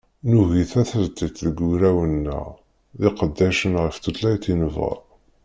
Nugi tasertit deg ugraw-nneɣ, d iqeddacen ɣef tutlayt i nebɣa.